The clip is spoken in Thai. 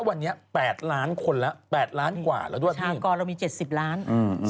วันนี้แปดล้านคนแล้วแปดล้านกว่าแล้วด้วยองค์กรเรามีเจ็ดสิบล้านอืม